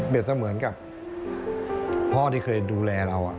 เสมือนกับพ่อที่เคยดูแลเรา